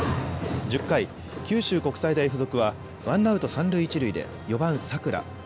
１０回、九州国際大付属はワンアウト三塁一塁で４番・佐倉。